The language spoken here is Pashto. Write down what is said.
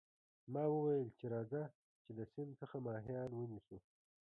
ما وویل چې راځه چې د سیند څخه ماهیان ونیسو.